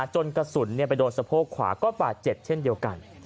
จนกระสุนไปโดนสะโพกขวาก็บาดเจ็บเช่นเดียวกัน